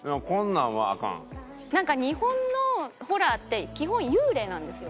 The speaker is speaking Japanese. なんか日本のホラーって基本幽霊なんですよ。